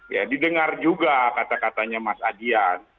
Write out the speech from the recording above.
ya didengar juga kata katanya mas adian